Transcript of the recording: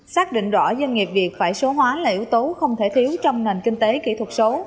xác định rõ doanh nghiệp việt phải số hóa là yếu tố không thể thiếu trong nền kinh tế kỹ thuật số